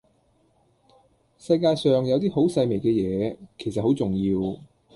世界上有啲好細微嘅嘢，其實好重要